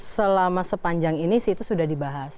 selama sepanjang ini sih itu sudah dibahas